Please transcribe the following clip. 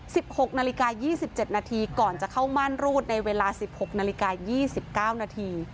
หกนาฬิกายี่สิบเจ็ดนาทีก่อนจะเข้าม่านรูดในเวลาสิบหกนาฬิกายี่สิบเก้านาที